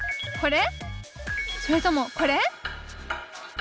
それともこれ？